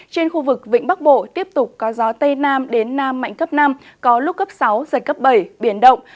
trên khu vực vĩnh bắc bộ tiếp tục có gió tây nam đến nam mạnh cấp năm có lúc cấp sáu giật cấp bảy biển động